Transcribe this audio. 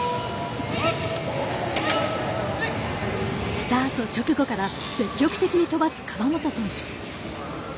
スタート直後から積極的に飛ばす川本選手。